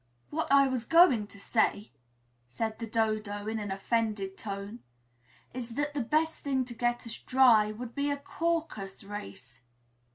"What I was going to say," said the Dodo in an offended tone, "is that the best thing to get us dry would be a Caucus race."